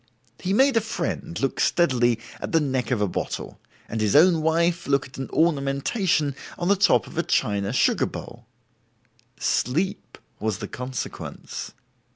He made a friend look steadily at the neck of a bottle, and his own wife look at an ornamentation on the top of a china sugar bowl: sleep was the consequence.